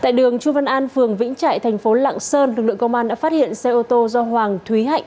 tại đường chu văn an phường vĩnh trại thành phố lạng sơn lực lượng công an đã phát hiện xe ô tô do hoàng thúy hạnh